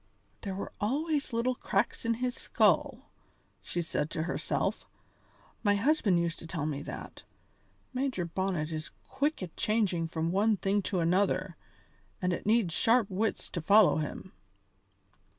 "There were always little cracks in his skull," she said to herself. "My husband used to tell me that. Major Bonnet is quick at changing from one thing to another, and it needs sharp wits to follow him."